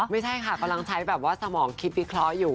ไม่ใช่ค่ะกำลังใช้แบบว่าสมองคิดวิเคราะห์อยู่